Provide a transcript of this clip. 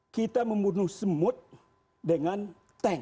kita membunuh semut dengan tank